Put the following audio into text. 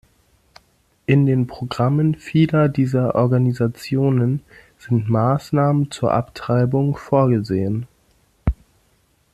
In den Programmen vieler dieser Organisationen sind Maßnahmen zur Abtreibung vorgesehen.